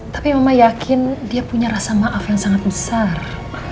tapi mama yakin dia punya rasa maaf yang sangat besar